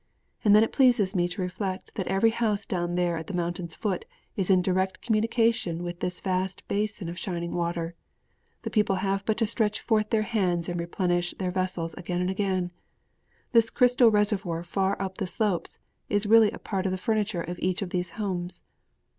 And then it pleases me to reflect that every house down there at the mountain's foot is in direct communication with this vast basin of shining water. The people have but to stretch forth their hands and replenish their vessels again and again. This crystal reservoir far up the slopes is really a part of the furniture of each of those homes.